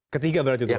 ketiga berarti pak